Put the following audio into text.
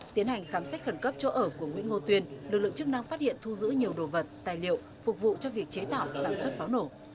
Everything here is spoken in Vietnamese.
tiến hành khám xét khẩn cấp chỗ ở của nguyễn ngô tuyên lực lượng chức năng phát hiện thu giữ nhiều đồ vật tài liệu phục vụ cho việc chế tạo sản xuất pháo nổ